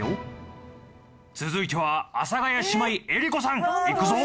続いては阿佐ヶ谷姉妹江里子さんいくぞ。